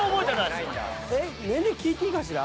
年齢聞いていいかしら？